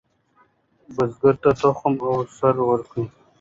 بزګر ته تخم او سره ورکړئ.